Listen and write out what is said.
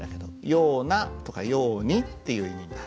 「ような」とか「ように」っていう意味になる。